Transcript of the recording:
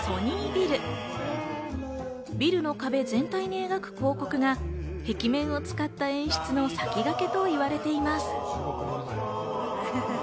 ビルの壁全体を描く広告が壁面を使った演出の先駆けといわれています。